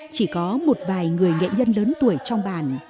chỉ có một vài người nghệ nhân lớn tuổi trong bản